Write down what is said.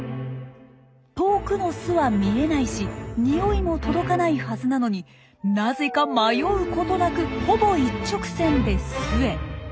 遠くの巣は見えないしニオイも届かないはずなのになぜか迷うことなくほぼ一直線で巣へ。